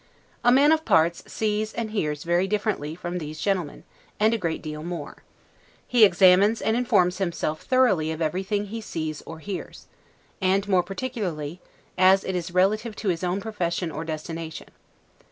A man of parts sees and hears very differently from these gentlemen, and a great deal more. He examines and informs himself thoroughly of everything he sees or hears; and, more particularly, as it is relative to his own profession or destination.